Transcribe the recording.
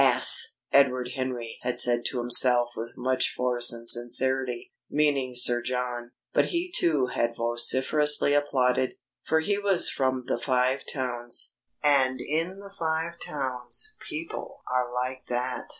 "Ass!" Edward Henry had said to himself with much force and sincerity, meaning Sir John, but he too had vociferously applauded; for he was from the Five Towns, and in the Five Towns people are like that!